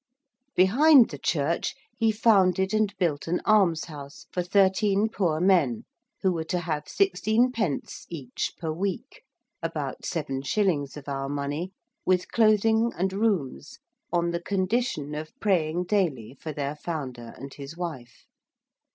Behind the church he founded and built an almshouse for thirteen poor men, who were to have 16_d._ each per week, about 7_s._ of our money, with clothing and rooms on the condition of praying daily for their founder and his wife.